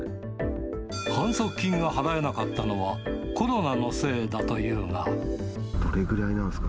反則金が払えなかったのはコどれくらいなんですか？